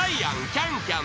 キャン×キャン。